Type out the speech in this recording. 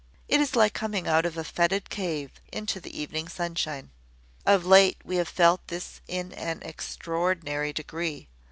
It is like coming out of a foetid cave into the evening sunshine. Of late, we have felt this in an extraordinary degree.